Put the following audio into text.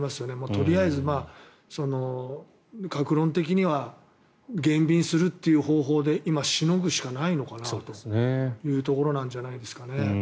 とりあえず各論的には減便するという方法で今、しのぐしかないのかなというところなんじゃないですかね。